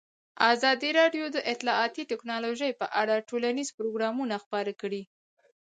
ازادي راډیو د اطلاعاتی تکنالوژي په اړه ښوونیز پروګرامونه خپاره کړي.